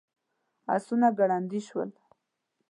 آسونه ګړندي شول.